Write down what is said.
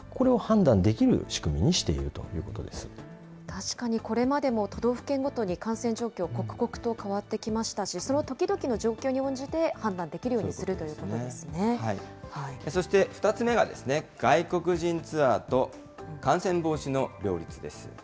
確かに、これまでも都道府県ごとに感染状況、刻々と変わってきましたし、その時々の状況に応じて判断できるようにするというそして２つ目がですね、外国人ツアーと感染防止の両立です。